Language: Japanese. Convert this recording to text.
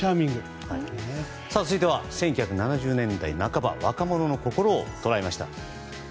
続いては１９７０年代半ば若者の心を捉えました。